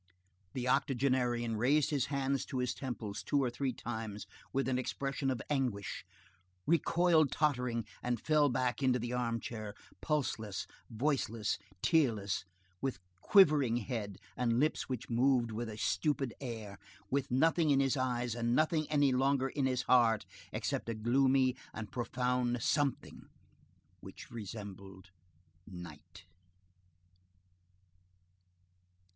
The octogenarian raised his hands to his temples two or three times with an expression of anguish, recoiled tottering, and fell back into an armchair, pulseless, voiceless, tearless, with quivering head and lips which moved with a stupid air, with nothing in his eyes and nothing any longer in his heart except a gloomy and profound something which resembled night.